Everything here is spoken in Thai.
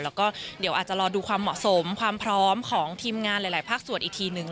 แล้วก็เดี๋ยวอาจจะรอดูความเหมาะสมความพร้อมของทีมงานหลายภาคส่วนอีกทีหนึ่ง